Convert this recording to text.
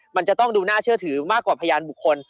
มันจะต้องดูน่าเชื่อถือมากกว่าพยานบุคคล